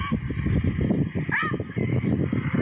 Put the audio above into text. โอ้โหเป็นเกิดขึ้นกันก่อนค่ะ